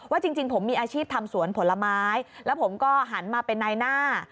จริงผมมีอาชีพทำสวนผลไม้แล้วผมก็หันมาเป็นนายหน้า